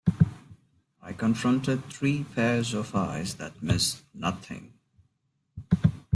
I confronted three pairs of eyes that missed nothing.